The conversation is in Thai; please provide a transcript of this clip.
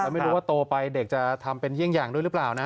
ไม่รู้ว่าโตไปเด็กจะทำเป็นเยี่ยงอย่างด้วยหรือเปล่านะ